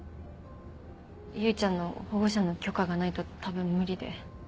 唯ちゃんの保護者の許可がないと多分無理で。